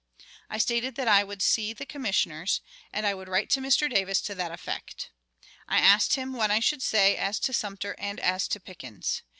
I stated that I would see the Commissioners, and I would write to Mr. Davis to that effect. I asked him what I should say as to Sumter and as to Pickens.